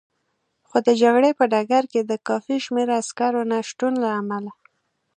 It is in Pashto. خو د جګړې په ډګر کې د کافي شمېر عسکرو نه شتون له امله.